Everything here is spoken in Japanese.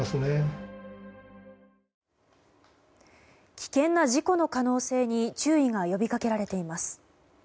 危険な事故の可能性に注意が呼びかけられています。